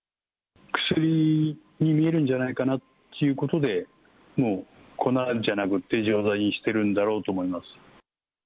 薬に見えるんじゃないかなということで、もう粉じゃなくって錠剤にしてるんだろうと思います。